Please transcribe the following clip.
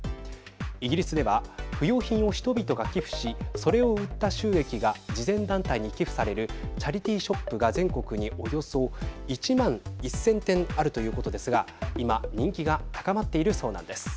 イギリスでは不用品を人々が寄付しそれを売った収益が慈善団体に寄付されるチャリティーショップが全国におよそ１万１０００店あるということですが今人気が高まっているそうなんです。